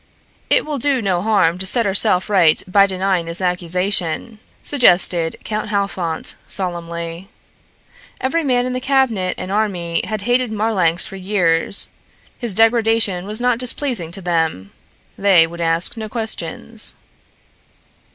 "It will do no harm to set herself right by denying this accusation," suggested Count Halfont solemnly. Every man in the cabinet and army had hated Marlanx for years. His degradation was not displeasing to them. They would ask no questions.